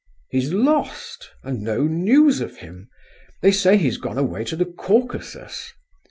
"He's lost, and no news of him; they say he's gone away to the Caucasus.